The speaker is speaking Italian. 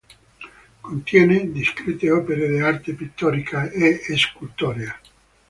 Contiene discrete opere d'arte pittorica e scultorea.